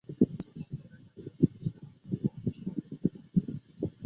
圣尼古拉奥斯是希腊克里特大区拉西锡州首府。